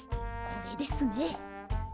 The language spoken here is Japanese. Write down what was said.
これですね。